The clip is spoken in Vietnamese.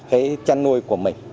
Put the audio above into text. cái chăn nuôi của mình